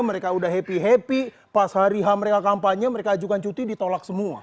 mereka udah happy happy pas hari h mereka kampanye mereka ajukan cuti ditolak semua